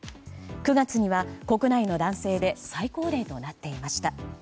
９月には国内の男性で最高齢となっていました。